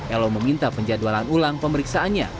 elo meminta penjadwalan ulang pemeriksaannya